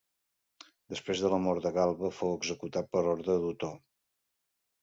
Després de la mort de Galba fou executat per ordre d'Otó.